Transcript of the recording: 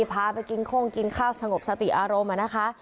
พาไปกินโค้งกินข้าวสงบสติอารมณ์นะคะ